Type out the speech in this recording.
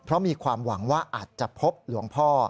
เพราะมีความหวังว่าอาจจะพบหลวงพ่อ